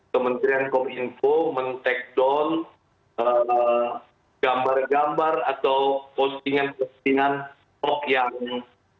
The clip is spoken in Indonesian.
kementerian kominfo men take down gambar gambar atau postingan postingan hoax yang